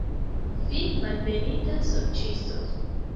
Fi, malbenita sorĉisto!